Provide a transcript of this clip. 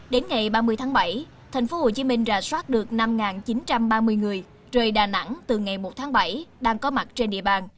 đến ngày ba mươi tháng bảy tp hcm ra soát được năm chín trăm ba mươi người rời đà nẵng từ ngày một tháng bảy đang có mặt trên địa bàn